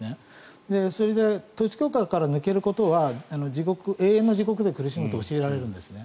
それで統一教会から抜けることは地獄、永遠の地獄で苦しむと教えられるんですね。